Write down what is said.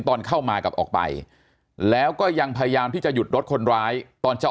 ตอนเข้ามากับออกไปแล้วก็ยังพยายามที่จะหยุดรถคนร้ายตอนจะ